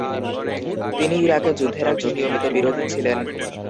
তিনি ইরাকে যুদ্ধের একজন নিয়মিত বিরোধী ছিলেন।